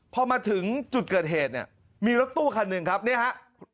พอมาถึงจุดเกิดเหตุเนี่ยมีรถตู้คันหนึ่งครับเนี่ยฮะ